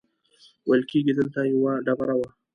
ویل کېږي دلته یوه ډبره وه.